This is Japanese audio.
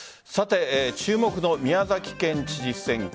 注目の宮崎県知事選挙。